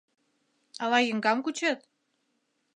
Ала еҥгам кучет?